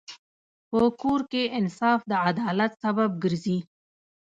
په کور کې انصاف د عدالت سبب ګرځي.